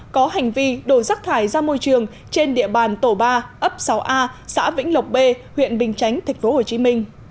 có hành vi đổ rắc thải ra môi trường trên địa bàn tổ ba ấp sáu a xã vĩnh lộc b huyện bình chánh tp hcm